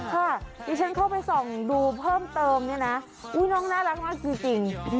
ค่ะนี่ฉันเข้าไปส่องดูเพิ่มเติมเนี่ยนะอุ้ยน้องน่ารักมากจริงจริง